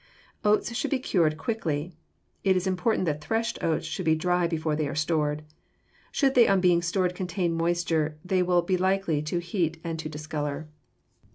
Oats should be cured quickly. It is very important that threshed oats should be dry before they are stored. Should they on being stored still contain moisture, they will be likely to heat and to discolor.